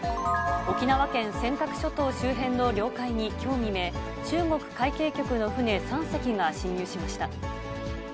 沖縄県尖閣諸島周辺の領海にきょう未明、中国海警局の船３隻が侵入しました。